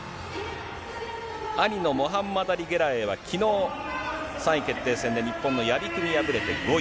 兄のモハンマド・ゲラエイはきのう、３位決定戦で日本の屋比久に敗れて５位。